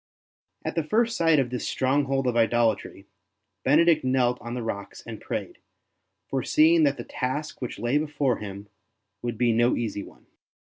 At the first sight of this stronghold of idolatry Benedict knelt on the rocks and prayed, foreseeing that the task which lay before him would be no easy one.